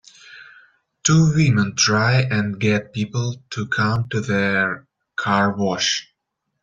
Two woman try and get people to come to there car wash.